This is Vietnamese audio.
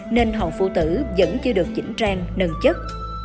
nên hòn phụ tử vẫn chưa được chỉnh trang nâng chất